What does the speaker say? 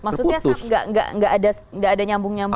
maksudnya nggak ada nyambung nyambung